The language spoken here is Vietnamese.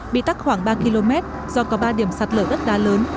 bị tắt khoảng ba km do có ba điểm sạt lở rất đa lớn